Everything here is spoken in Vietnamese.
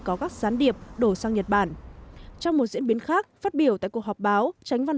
có các gián điệp đổ sang nhật bản trong một diễn biến khác phát biểu tại cuộc họp báo tránh văn